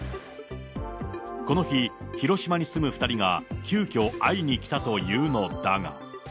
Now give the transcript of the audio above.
この日、広島に住む２人が急きょ、会いに来たというのだが。